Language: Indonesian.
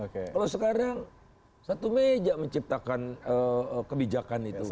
kalau sekarang satu meja menciptakan kebijakan itu